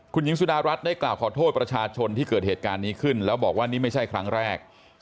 คุณหญิงสุดารัฐได้กล่าวขอโทษประชาชนที่เกิดเหตุการณ์นี้ขึ้นแล้วบอกว่านี่ไม่ใช่ครั้งแรก